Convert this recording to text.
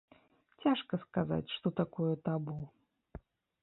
Цяжка сказаць, што такое табу.